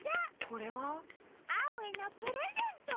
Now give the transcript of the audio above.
これは？アオへのプレゼント！